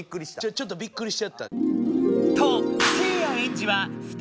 ちょっとびっくりしちゃった。